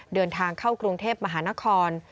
เดินทางเข้ากรุงเทพมหานคร